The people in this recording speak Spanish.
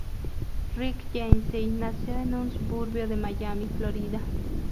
Rick Yancey nació en un suburbio de Miami, Florida.